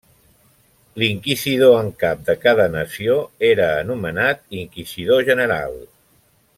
L'inquisidor en cap de cada nació era anomenat Inquisidor general.